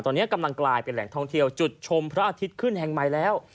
ตอนนี้กำลังกลายเป็นแหล่งท่องเที่ยวจุดชมพระอาทิตย์ขึ้นแห่งใหม่แล้ว